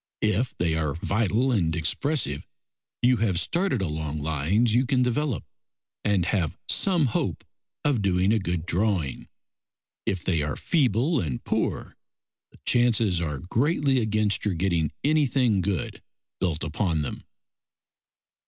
If they are vital and expressive, you have started along lines you can develop, and have some hope of doing a good drawing. If they are feeble and poor, the chances are greatly against your getting anything good built upon them.